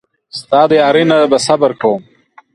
ستا د یارۍ نه به صبر کوم.